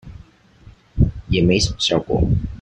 也沒什麼效果